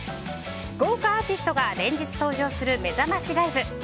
豪華アーティストが連日登場する、めざましライブ。